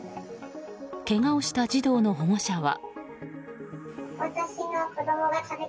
けがをした児童の保護者は。